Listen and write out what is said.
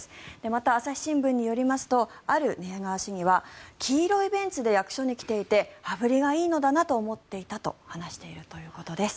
また朝日新聞によりますとある寝屋川市議は黄色いベンツで役所に来ていて羽振りがいいのだなと思ったと話しているということです。